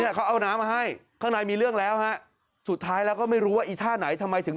แล้วก็จะนิ้วข้าวผู้หญิงเดี๋ยวรอจะจ่ายเงิน